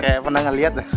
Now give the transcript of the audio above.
kayak pernah ngelihat ya